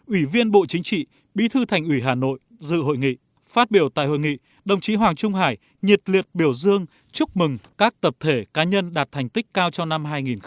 ủy viên bộ chính trị bí thư thành ủy hà nội dự hội nghị phát biểu tại hội nghị đồng chí hoàng trung hải nhiệt liệt biểu dương chúc mừng các tập thể cá nhân đạt thành tích cao cho năm hai nghìn một mươi chín